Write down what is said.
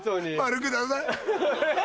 「○」ください。